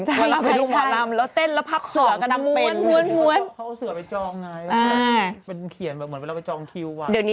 เวลาไปดูหมาลำแล้วเต้นแล้วพับเสือกันม้วน